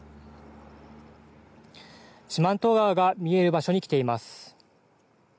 四万十川が見える場所に来ています。